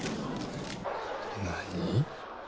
何？